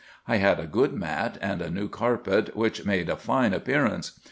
I had a good mat and a new carpet, which made a fine appearance.